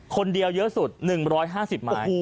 คนเดียวเยอะสุด๑๕๐ไม้